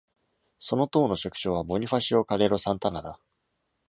その党の書記長は Bonifacio Calero Santana だ。